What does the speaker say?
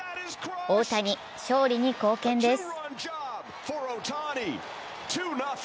大谷、勝利に貢献です。